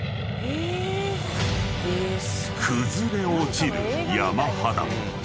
［崩れ落ちる山肌］